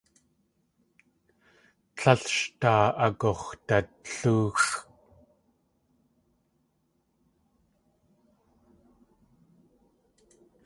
Tlél sh daa agux̲dalóoxʼ.